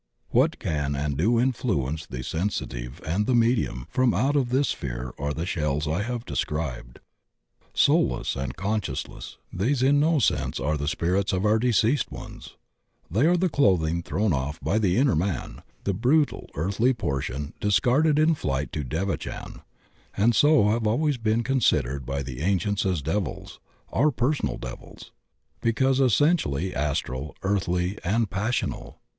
What can and do influence the sensitive and the me dium from out of this sphere are the shells I have described. Soulless and conscienceless, these in no sense are the spirits of our deceased ones. They are the clothing thrown off by the inner man, the brutal earthly portion discarded in the flight to devachan, and so have always been considered by the ancients as devils — our personal devils — ^because essentially astral, earthly and passional.